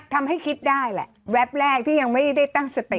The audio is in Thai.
ทำให้คิดได้แหละวัดแรกที่ยังไม่ได้ตั้งสติ